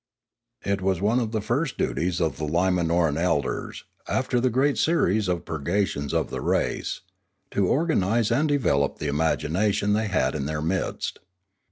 It was one of the first duties of the Limanoran elders, 438 Limanora after the great series of purgations of the race, to or ganise and develop the imagination they had in their midst.